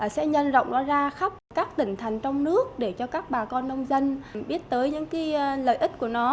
sẽ nhân rộng nó ra khắp các tỉnh thành trong nước để cho các bà con nông dân biết tới những lợi ích của nó